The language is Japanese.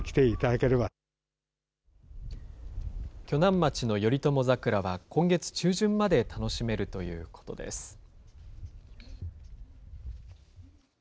鋸南町の頼朝桜は今月中旬まで楽しめるということです。